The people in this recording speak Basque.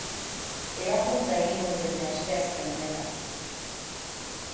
Ebakuntza egingo diote asteazken honetan.